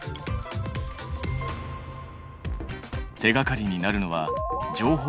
手がかりになるのは情報の伝達経路。